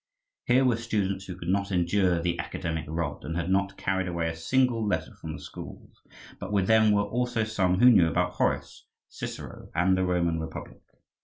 Here were students who could not endure the academic rod, and had not carried away a single letter from the schools; but with them were also some who knew about Horace, Cicero, and the Roman Republic.